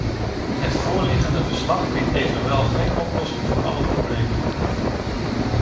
Het voorliggende verslag biedt evenwel geen oplossing voor alle problemen.